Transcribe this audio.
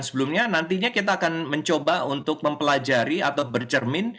selamat siang pak heri